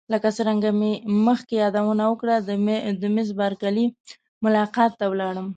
لکه څنګه چې مې مخکې یادونه وکړه د میس بارکلي ملاقات ته ولاړم.